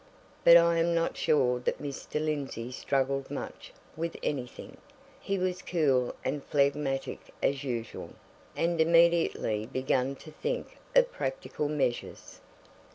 But I am not sure that Mr. Lindsey struggled much with anything he was cool and phlegmatic as usual, and immediately began to think of practical measures.